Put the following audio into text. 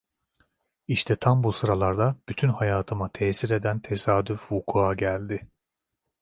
İşte tam bu sıralarda bütün hayatıma tesir eden tesadüf vukua geldi.